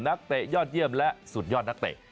เตะยอดเยี่ยมและสุดยอดนักเตะ